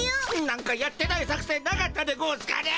なんかやってない作戦なかったでゴンスかね。